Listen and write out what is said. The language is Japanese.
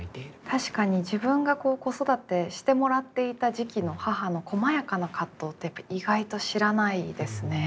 確かに自分が子育てしてもらっていた時期の母のこまやかな葛藤って意外と知らないですね。